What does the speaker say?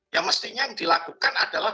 ya mestinya yang dilakukan adalah